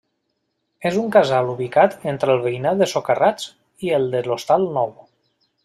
És un casal ubicat entre el veïnat de Socarrats i el de l'Hostal Nou.